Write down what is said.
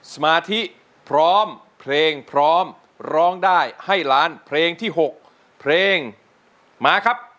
สมาธิพร้อมเพลงพร้อมร้องได้ให้ล้านเพลงที่๖เพลงมาครับ